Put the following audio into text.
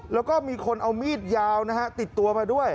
แล้วก็มีคนเอามีดยาวนะฮะติดตัวมาด้วย